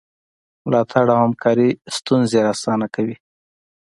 ملاتړ او همکاري ستونزې اسانه کوي.